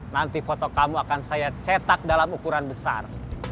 nanti foto kamu akan saya cetak dalam ukuran besar